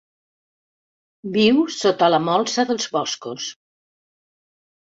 Viu sota la molsa dels boscos.